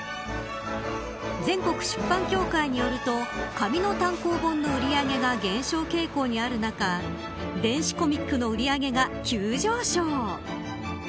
全国出版協会によると紙の単行本の売り上げが減少傾向にある中電子コミックの売り上げが急上昇。